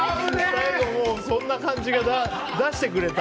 最後そんな感じを出してくれた。